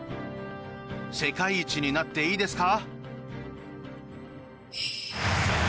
世界一になっていいですか？